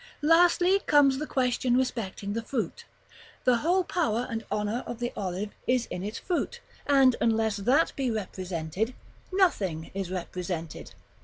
Lastly, comes the question respecting the fruit. The whole power and honor of the olive is in its fruit; and, unless that be represented, nothing is represented.